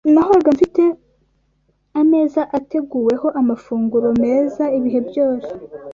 Nahoraga mfite ameza ateguweho amafunguro meza ibihe byose